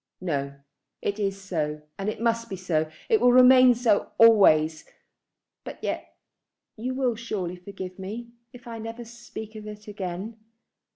"No. It is so, and it must be so. It will remain so always, but yet you will surely forgive me, if I never speak of it again.